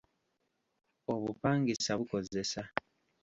Obupangisa bukozesa.